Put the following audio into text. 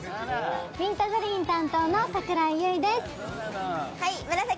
ミントグリーン担当の櫻井優衣です。